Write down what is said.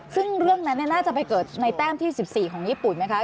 ซึ่งเรื่องนั้นน่าจะไปเกิดในแต้มที่๑๔ของญี่ปุ่นไหมคะ